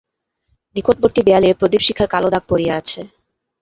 নিকটবর্তী দেয়ালে প্রদীপশিখার কালো দাগ পড়িয়া আছে।